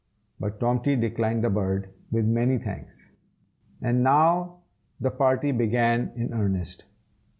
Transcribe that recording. But Tomty declined the bird, with many thanks; and now the "party" began in earnest.